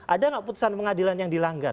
ada nggak putusan pengadilan yang dilanggar